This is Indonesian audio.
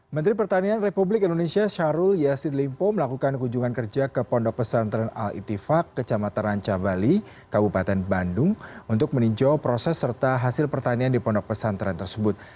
menteri pertanian republik indonesia syahrul yassin limpo melakukan kunjungan kerja ke pondok pesantren al itifak kecamatan ranca bali kabupaten bandung untuk meninjau proses serta hasil pertanian di pondok pesantren tersebut